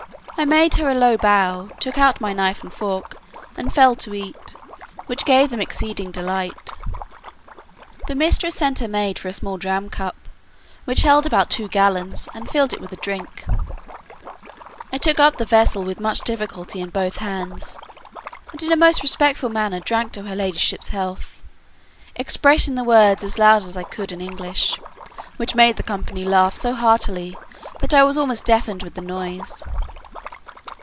I made her a low bow, took out my knife and fork, and fell to eat, which gave them exceeding delight. The mistress sent her maid for a small dram cup, which held about two gallons, and filled it with drink; I took up the vessel with much difficulty in both hands, and in a most respectful manner drank to her ladyship's health, expressing the words as loud as I could in English, which made the company laugh so heartily, that I was almost deafened with the noise.